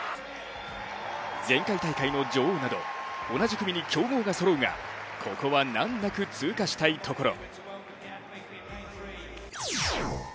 前回大会の女王など同じ組に強豪がそろうが、ここは難なく通過したいところ。